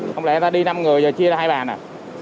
không lẽ ta đi năm người rồi chia ra hai bàn à